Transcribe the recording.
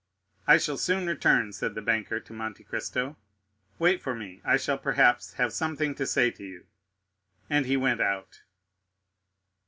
"I shall soon return," said the banker to Monte Cristo; "wait for me. I shall, perhaps, have something to say to you." And he went out.